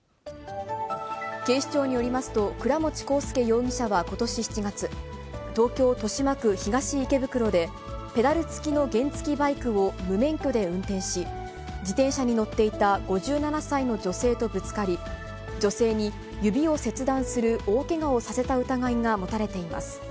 警視庁によりますと、倉持航輔容疑者は、ことし７月、東京・豊島区東池袋で、ペダル付きの原付きバイクを無免許で運転し、自転車に乗っていた５７歳の女性とぶつかり、女性に指を切断する大けがをさせた疑いが持たれています。